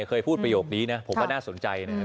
เคยพูดประโยคนี้นะผมก็น่าสนใจนะครับ